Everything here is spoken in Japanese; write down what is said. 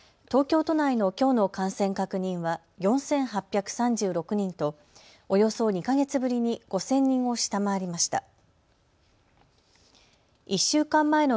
東京都内のきょうの感染確認は４８３６人とおよそ２か月ぶりに５０００人を下回りました。